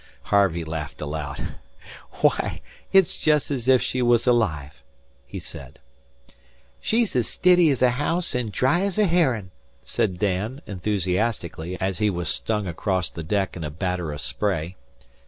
Harvey laughed aloud. "Why, it's just as if she was alive," he said. "She's as stiddy as a haouse an' as dry as a herrin'," said Dan enthusiastically, as he was slung across the deck in a batter of spray.